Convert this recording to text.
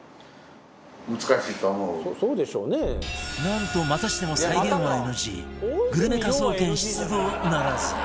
なんとまたしても再現は ＮＧグルメ科捜研出動ならず